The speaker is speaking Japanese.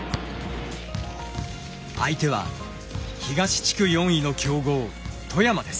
相手は東地区４位の強豪富山です。